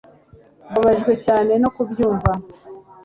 mbabajwe cyane no kubyumva